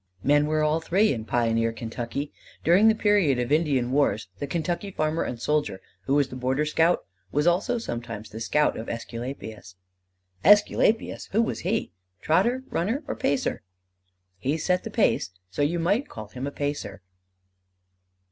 "Men were all three in pioneer Kentucky. During the period of Indian wars the Kentucky farmer and soldier, who was the border scout, was also sometimes the scout of Æsculapius." "Æsculapius who was he? Trotter, runner, or pacer?" "He set the pace: you might call him a pacer."